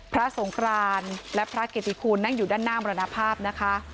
สงครานและพระเกติคุณนั่งอยู่ด้านหน้ามรณภาพนะคะ